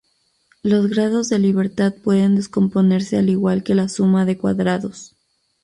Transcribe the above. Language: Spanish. Los grados de libertad pueden descomponerse al igual que la suma de cuadrados.